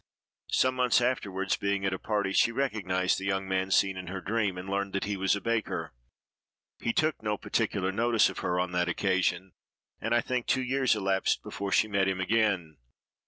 Some months afterward, being at a party, she recognized the young man seen in her dream, and learned that he was a baker. He took no particular notice of her on that occasion; and, I think, two years elapsed before she met him again.